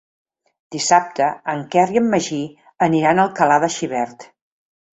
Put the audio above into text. Dissabte en Quer i en Magí aniran a Alcalà de Xivert.